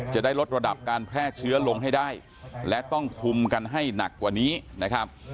จะได้ลดระดับการแพร่เชื้อลงให้ได้และต้องคุมกันให้หนักกว่านี้นะครับ